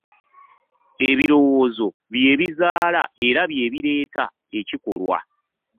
Ebirowoozo bye bizaala era bye bireeta ekikolwa.